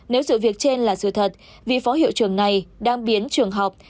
nếu sự việc trên là sự thật vị phó hiệu trưởng này đang biến trường học